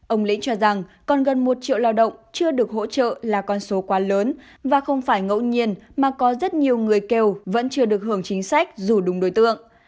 ông lĩnh cho rằng còn gần một triệu lao động chưa được hỗ trợ là con số quá lớn và không phải ngẫu nhiên mà có rất nhiều người kêu vẫn chưa được hưởng chính sách dù đúng đối tượng